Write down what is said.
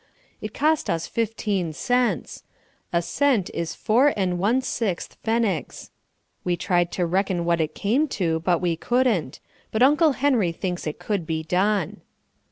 It cost us fifteen cents. A cent is four and one sixth pfennigs. We tried to reckon what it came to, but we couldn't; but Uncle Henry thinks it could be done.